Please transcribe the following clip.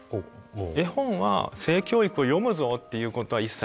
絵本は性教育を読むぞっていうことは一切してなくって。